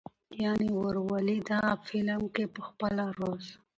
يعنې "وروولي". دغه فلم کښې پخپله روس